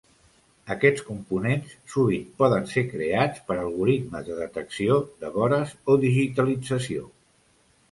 Aquests components sovint poden ser creats per algoritmes de detecció de vores o digitalització.